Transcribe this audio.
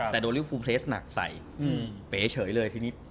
แต่โดนลิวฟูเพลสหนักใส่เป๋เฉยเลยทีนี้